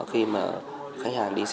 khi mà khách hàng đi siêu thị